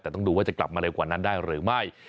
แต่ต้องดูว่าจะกลับมาเร็วกว่านั้นได้หรือไม่